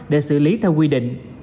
để xử lý theo quy định